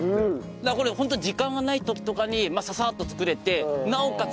だからこれホント時間がない時とかにささっと作れてなおかつ